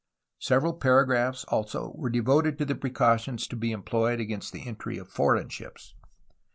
Several paragraphs, also, were devoted to the precautions to be employed against the entry of foreign ships.